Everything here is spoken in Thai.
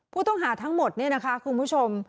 ผู้ต้องหาทั้งหมดครูผู้ชม